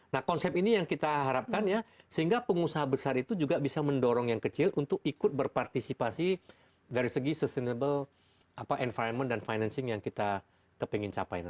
nah konsep ini yang kita harapkan ya sehingga pengusaha besar itu juga bisa mendorong yang kecil untuk ikut berpartisipasi dari segi sustainable environment dan financing yang kita kepengen capai